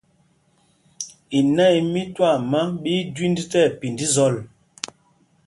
Inâ í mí twaama ɓí í jüind tí ɛpind zɔl.